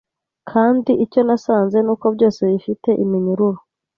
Kandi icyo nasanze nuko byose bifite iminyururu